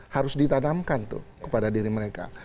harus ditanamkan tuh kepada diri mereka